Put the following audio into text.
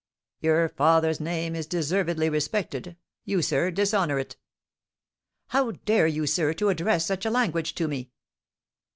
"Your father's name is deservedly respected; you, sir, dishonour it." "How dare you, sir, to address such language to me?"